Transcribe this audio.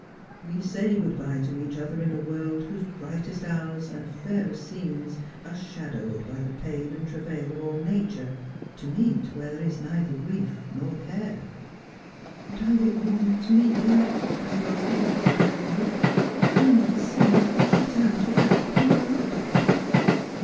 "We say good bye to each other in a world whose brightest hours and fairest scenes are shadowed by the pain and travail of all nature, to meet where there is neither grief nor care.' ' Are we all to meet there ?' asked Dulcie, with a despairing look. ' Will not the sinners be shut out of that happy world